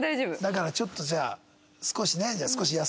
だからちょっとじゃあ。